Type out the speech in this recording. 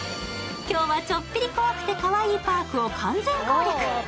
今日はちょっぴり怖くてかわいいパークを完全攻略。